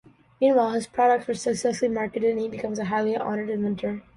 Meanwhile, his products are successfully marketed and he becomes a highly honored inventor.